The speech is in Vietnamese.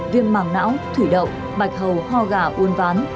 viêm màng não thủy đậu bạch hầu ho gà uôn ván